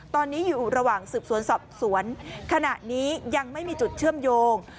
ตอนนี้อยู่ระหว่างสืบสวนสอบสวนขณะนี้ยังไม่มีจุดเชื่อมโยง